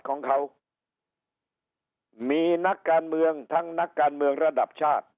ของเขามีนักการเมืองทั้งนักการเมืองระดับชาติ